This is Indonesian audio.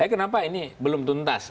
kenapa ini belum tuntas